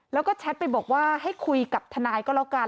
แล้วก็แชทไปบอกว่าให้คุยกับทนายก็แล้วกัน